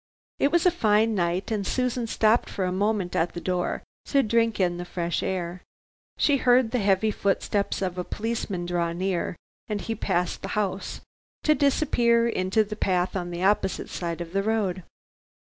It was a fine night, and Susan stopped for a moment at the door to drink in the fresh air. She heard the heavy footsteps of a policeman draw near and he passed the house, to disappear into the path on the opposite side of the road.